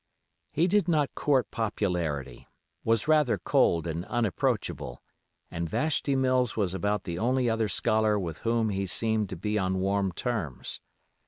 He did not court popularity, was rather cold and unapproachable, and Vashti Mills was about the only other scholar with whom he seemed to be on warm terms.